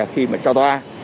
khi mà cho toa